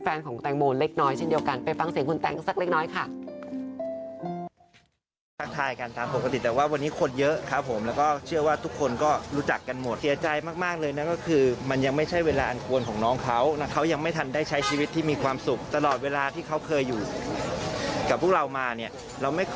แฟนของแตงโมเล็กน้อยเช่นเดียวกันไปฟังเสียงคุณแตงสักเล็กน้อยค่ะ